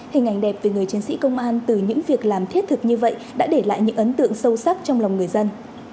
hình ảnh đẹp về người chiến sĩ công an từ những việc làm thiết thực như vậy đã để lại những ấn tượng sâu sắc trong lòng người dân